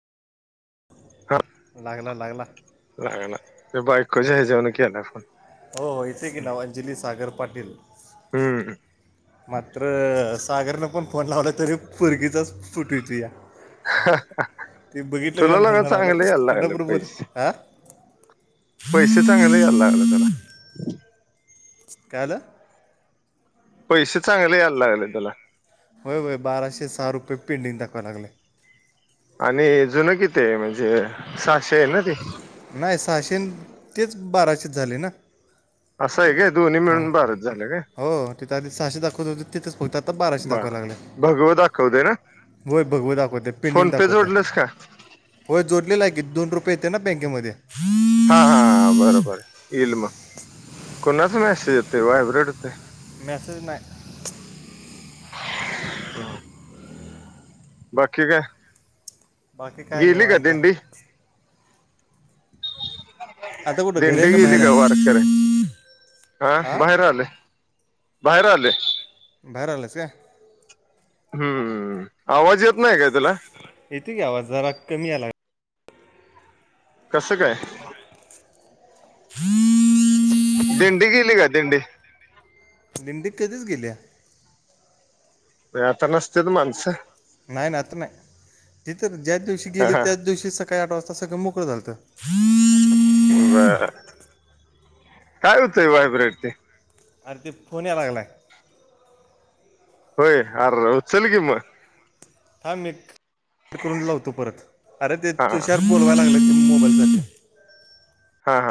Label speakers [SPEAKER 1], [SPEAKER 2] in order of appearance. [SPEAKER 1] लागला लागला
[SPEAKER 2] लागे ना ते बाक कोच्या आहे जाऊन कि आहे फून
[SPEAKER 1] हो हो इथे की नाव अंजली सागर पाटील
[SPEAKER 2] हम्म
[SPEAKER 1] मात्र सागरनं पण फोन लावला तरी फुरगीचाच फुट इचू या ते बघितलं काय
[SPEAKER 2] तुला लगा
[SPEAKER 1] म्हणणार आला
[SPEAKER 2] चांगलं यायला लागलं
[SPEAKER 1] कुं्हापूरपर
[SPEAKER 2] पैसे
[SPEAKER 1] हा
[SPEAKER 2] पैसे चांगले यायला लागला त्याला
[SPEAKER 1] कायलं
[SPEAKER 2] पैसे चांगले यायला लागले त्याला
[SPEAKER 1] होय होय बाराशे सहा रुपये पेंडडींग दाखवा लागले
[SPEAKER 2] आणि जुनं किती म्हणजे सहाशे आहे ना ते
[SPEAKER 1] नाही सहाशे तेच बाराशे झाले ना
[SPEAKER 2] असं आहे काय दोन्ही मिळून भारत झालं का
[SPEAKER 1] हो तिथ आी सहाश दावत हो तिंच फघतो आता बाराे दाखवाव लागले
[SPEAKER 2] भगवत दाखवते ना
[SPEAKER 1] व भगववाताा कोते
[SPEAKER 2] फोन
[SPEAKER 1] पिंडिंग दा
[SPEAKER 2] पे
[SPEAKER 1] कोते
[SPEAKER 2] जोडलंस का
[SPEAKER 1] हो जोडलेला आहे की दोन रुपये येते ना बँकेमध्ये
[SPEAKER 2] हा हा हा बरोबर इलम कोणाच मॅसेज येत व्हायब्रेड होते
[SPEAKER 1] मेसेज नाही
[SPEAKER 2] [inaudible] बाकी काय
[SPEAKER 1] बाकी काय
[SPEAKER 2] गेली का
[SPEAKER 1] निवाांता
[SPEAKER 2] दिंडी
[SPEAKER 1] आता कुठं घरी
[SPEAKER 2] दिंडी
[SPEAKER 1] आहे का
[SPEAKER 2] गेली
[SPEAKER 1] बाहेर
[SPEAKER 2] ग
[SPEAKER 1] आहे
[SPEAKER 2] वार करायची हा बाहेर आले बाहेर आले
[SPEAKER 1] बाहेर आलंस का
[SPEAKER 2] हम्म आवाज येत नाही काय तुला
[SPEAKER 1] इथे ग्या आवाज जरा कमी आला
[SPEAKER 2] कसं काय दिंडी गेली का दिंडी
[SPEAKER 1] दिंडी कधीच गेल्या.
[SPEAKER 2] वता नसते त माणसं.
[SPEAKER 1] नाही ना आता नाही ति तर ज्या दिवशी गेली त्याच दिवशी स- काही आठ वाजता सगळं मोकळ झालंत.
[SPEAKER 2] बर काय होतंय वयब्रेड ते?
[SPEAKER 1] अरे ते फोन या लागला.
[SPEAKER 2] होय आर उचल की मग.
[SPEAKER 1] हां मी करून लावतो परत अरे ते
[SPEAKER 2] हा
[SPEAKER 1] तुषर बोोलवाय लागलं क मोबाईल-
[SPEAKER 2] हा हा